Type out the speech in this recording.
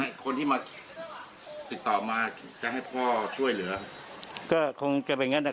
คนที่มาติดต่อมาจะให้พ่อช่วยเหลือก็คงจะเป็นอย่างนั้นแหละ